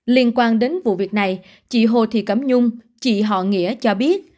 liên quan đến vụ việc này chị hồ thị cấm nhung chị họ nghĩa cho biết